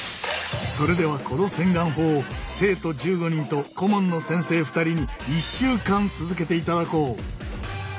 それではこの洗顔法を生徒１５人と顧問の先生２人に１週間続けていただこう！